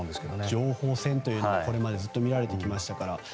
情報戦というのがずっと見られてきましたから。